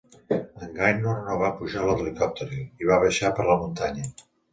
En Gaynor no va pujar a l'helicòpter, i va baixar per la muntanya.